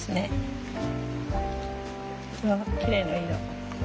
うわきれいな色。